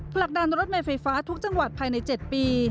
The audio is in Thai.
ผลักดันรถเมย์ไฟฟ้าทุกจังหวัดภายใน๗ปี